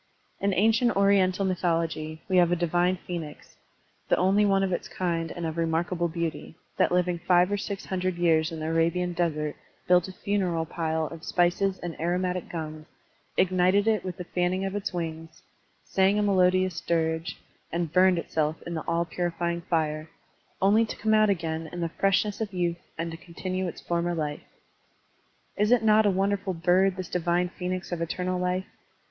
In ancient Oriental mythology we have a divine phenix, the only one of its kind and of remarkable beauty, that living five or six hun^ Digitized by Google 2IO SERMONS OP A BUDDHIST ABBOT dred years it), the Arabian desert built a funeral pile of Spices and aromatic gums, ignited it with the fanning of its wings, sang a melodious dirge, and burned itself in the all purifying fire, only to come out again in the freshness of youth and to continue its former life. Is it not a wonderful bird, this divine phenix of eternal life?